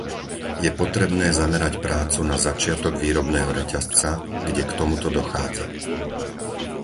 Je potrebné zamerať prácu na začiatok výrobného reťazca, kde k tomuto dochádza.